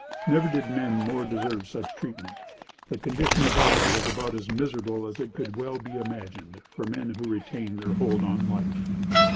Never did men more deserve such treatment. The condition of all was about as miserable as it could well be imagined, for men who retained their hold on life.